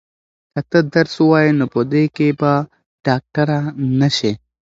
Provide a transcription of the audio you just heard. که ته درس ووایې نو په دې کې به ډاکټره نه شې.